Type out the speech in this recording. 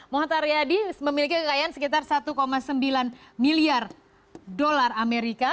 mohatar yadi memiliki kekayaan sekitar satu sembilan miliar dolar amerika